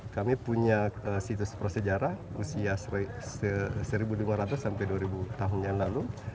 kami punya situs prosejarah usia seribu lima ratus sampai dua ribu tahun yang lalu